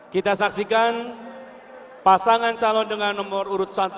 kita saksikan pasangan calon dengan nomor urut satu